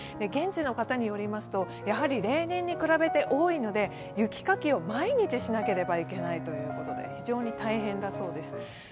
現地の方によりますと、例年に比べて多いので雪かきを毎日しなければいけないということで非常に大変だそうです。